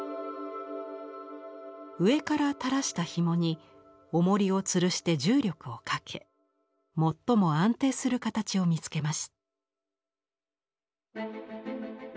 上からたらしたひもにおもりをつるして重力をかけもっとも安定する形を見つけます。